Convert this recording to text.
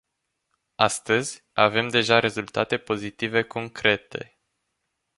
Astăzi, avem deja rezultate pozitive concrete.